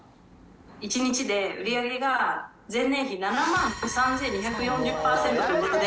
１日で売り上げが前年比７万３２４０％ということで。